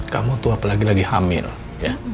kamu tuh apalagi lagi hamil ya